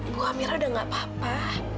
bu hamilnya udah gak apa apa